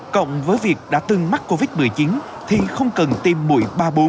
cộng với việc đã tương mắc covid một mươi chín thì không cần tiêm mũi ba mươi bốn